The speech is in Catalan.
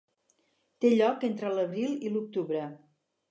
Té lloc entre l'abril i l'octubre.